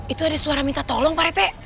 itu ada suara minta tolong parete